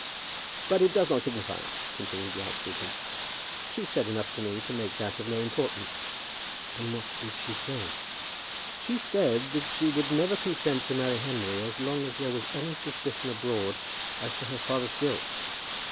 "But it does not signify," continued the archdeacon; "she said enough to me to make that of no importance." "And what did she say?" "She said that she would never consent to marry Henry as long as there was any suspicion abroad as to her father's guilt."